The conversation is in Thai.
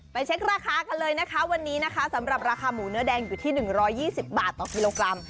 เช็คราคากันเลยนะคะวันนี้นะคะสำหรับราคาหมูเนื้อแดงอยู่ที่๑๒๐บาทต่อกิโลกรัม